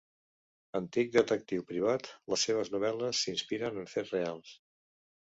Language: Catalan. Antic detectiu privat, les seves novel·les s'inspiren en fets reals.